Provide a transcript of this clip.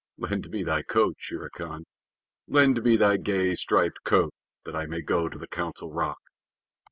Lend me thy coat, Shere Khan. Lend me thy gay striped coat that I may go to the Council Rock.